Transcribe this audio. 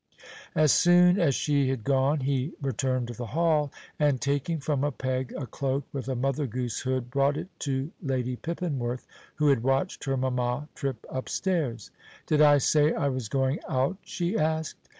As soon as she was gone he returned to the hall, and taking from a peg a cloak with a Mother Goose hood, brought it to Lady Pippinworth, who had watched her mamma trip upstairs. "Did I say I was going out?" she asked.